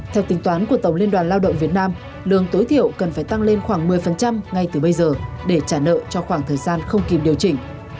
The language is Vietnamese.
theo tính toán của tổng liên đoàn lao động việt nam lương tối thiểu cần phải tăng lên khoảng một mươi ngay từ bây giờ để trả nợ cho khoảng thời gian không kịp điều chỉnh